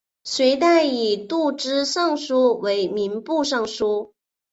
隋代以度支尚书为民部尚书。